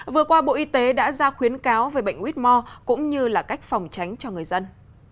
vừa qua bộ y tế đã ra khuyến cáo về bệnh whitmore cũng như là cách phòng tránh cho người dân